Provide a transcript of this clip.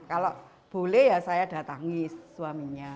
kalau boleh ya saya datangi suaminya